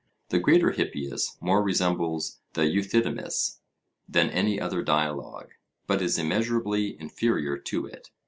The Greater Hippias more resembles the Euthydemus than any other dialogue; but is immeasurably inferior to it.